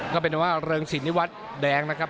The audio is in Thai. ก็เป็นว่าเริงสินนิวัฒน์แดงนะครับ